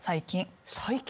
最近。